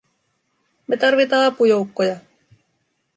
"Me tarvitaa apujoukkoja!"